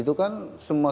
itu kan semakin menambah